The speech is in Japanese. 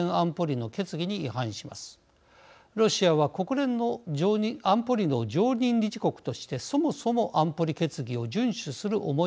ロシアは安保理の常任理事国としてそもそも安保理決議を順守する重い責任があります。